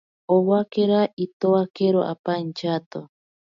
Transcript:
Owakera itowakero apa inchato.